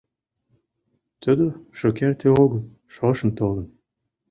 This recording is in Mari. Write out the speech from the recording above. Тудо шукерте огыл, шошым толын.